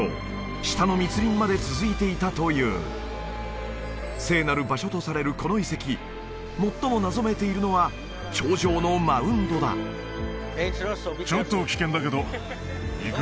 下の密林まで続いていたという聖なる場所とされるこの遺跡最も謎めいているのは頂上のマウンドだちょっと危険だけど行く？